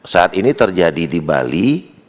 saat ini terjadi di bali